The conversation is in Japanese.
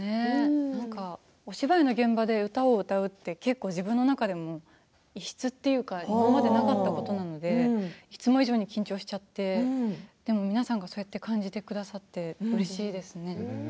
お芝居の現場で歌を歌うって結構自分の中でも異質というか今までなかったので今まで以上に緊張しちゃってでも皆さんがそういうふうに感じてくださってうれしいですね。